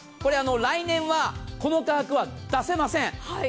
来年はこの価格は出せません。